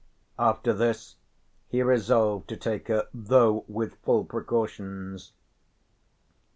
After this he resolved to take her, though with full precautions.